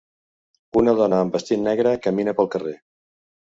Una dona amb vestit negre camina pel carrer.